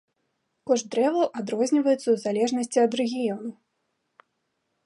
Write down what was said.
Кошт дрэваў адрозніваецца ў залежнасці ад рэгіёну.